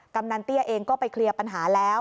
กำนันเตี้ยเองก็ไปเคลียร์ปัญหาแล้ว